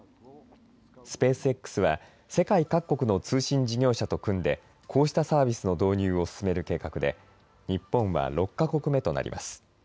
スペースＸは世界各国の通信事業者と組んでこうしたサービスの導入を進める計画で日本は６か国目となります。